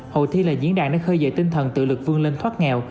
hội thi là diễn đàn để khơi dậy tinh thần tự lực vương lên thoát nghèo